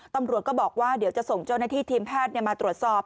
ตำรวจก็บอกว่าเดี๋ยวจะส่งเจ้าหน้าที่ทีมแพทย์มาตรวจสอบ